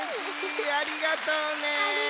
ありがとう。